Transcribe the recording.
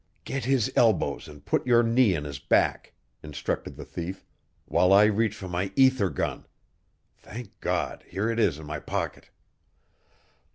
"Get his elbows and put your knee in his back," instructed the thief, "while I reach for my ether gun. Thank God! Here it is in my pocket."